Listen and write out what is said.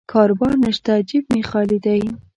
کاروبار نشته، جیب مې خالي دی.